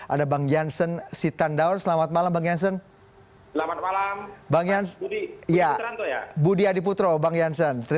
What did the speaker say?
ada bang jansen sitandaor selamat malam bang jansen